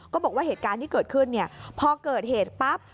บอกว่าเหตุการณ์ที่เกิดขึ้นพอเกิดเหตุปั๊บ